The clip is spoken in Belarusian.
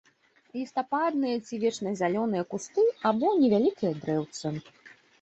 Лістападныя ці вечназялёныя кусты або невялікія дрэўцы.